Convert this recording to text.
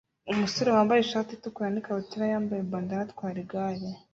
Umusore wambaye ishati itukura n'ikabutura yambaye bandanna atwara igare